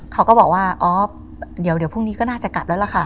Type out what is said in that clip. เขาก็บอกว่าอ๋อเดี๋ยวพรุ่งนี้ก็น่าจะกลับแล้วล่ะค่ะ